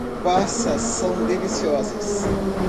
Passas são deliciosas.